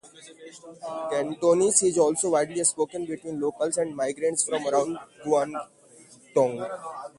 Cantonese is also widely spoken, between locals and migrants from around Guangdong.